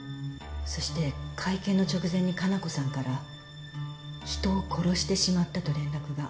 そして会見の直前に加奈子さんから人を殺してしまったと連絡が。